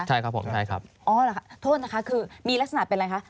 ใช่ครับผมใช่ครับอ๋อล่ะโทษนะคะคือมีลักษณะเป็นอะไรคะ